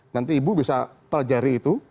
nanti ibu bisa pelajari itu